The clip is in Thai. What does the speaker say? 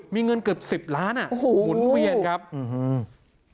มีเงินเกือบสิบล้านอ่ะโอ้โหหมุนเวียนครับอื้อฮือ